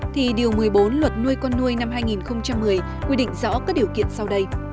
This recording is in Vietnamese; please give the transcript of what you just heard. thì điều một mươi bốn luật nuôi con nuôi năm hai nghìn một mươi quy định rõ các điều kiện sau đây